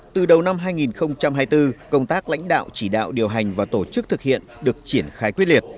từ đầu năm hai nghìn hai mươi bốn công tác lãnh đạo chỉ đạo điều hành và tổ chức thực hiện được triển khai quyết liệt